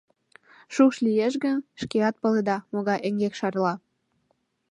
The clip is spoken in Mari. Шукш лиеш гын, шкеат паледа, могай эҥгек шарла.